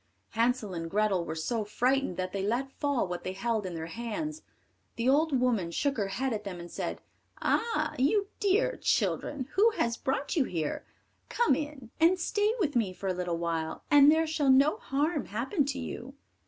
Hansel and Grethel were so frightened that they let fall what they held in their hands. The old woman shook her head at them, and said, "Ah, you dear children, who has brought you here? Come in, and stay with me for a little while, and there shall no harm happen to you."